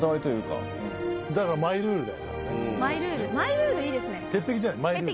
マイルールマイルールいいですね。